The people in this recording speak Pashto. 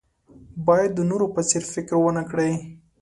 باید د نورو په څېر فکر ونه کړئ.